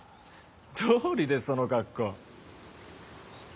どうりでその格好。